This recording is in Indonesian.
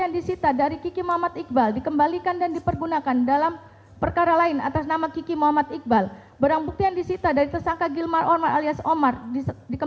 dikembalikan dan dipergunakan dalam perkara atas nama juhanda alias joe